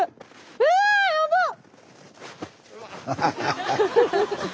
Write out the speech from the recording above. うわやばっ！